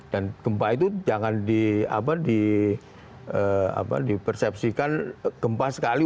dan gempa itu jangan dipersepsikan gempa sekali